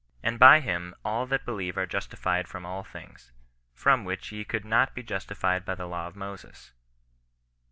And by him all that believe are justified from all things, from which ye could not be justified by the law of Moses."